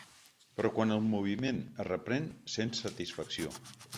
Però quan el moviment es reprèn sents satisfacció.